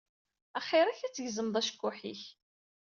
Axiṛ-ak ad tgezmeḍ acekkuḥ-ik.